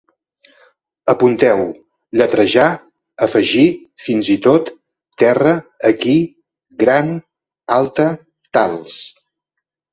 Apunteu: lletrejar, afegir, fins i tot, terra, aquí, gran, alta, tals